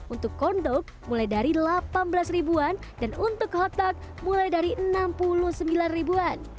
untuk konduk mulai dari delapan belas ribuan dan untuk kotak mulai dari enam puluh sembilan ribuan